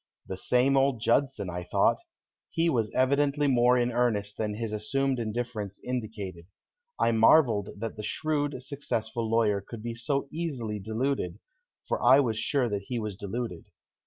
The same old Judson, I thought. He was evidently more in earnest than his assumed indifference indicated. I marveled that the shrewd, successful lawyer could be so easily deluded, for I was sure that he was deluded.